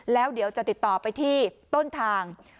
แล้วเดี๋ยวจะติดต่อไปที่ต้นทาง